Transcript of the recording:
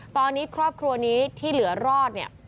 ตอนนี้ครอบครัวนี้ที่เหลือรอดเนี่ย